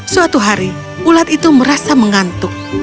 suatu hari ulat itu merasa mengantuk